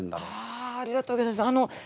あありがとうギョざいます。